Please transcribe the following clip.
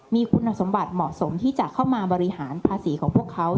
มีคุณสมบัติเหมาะสมที่จะเข้ามาบริหารภาษีของพวกเขา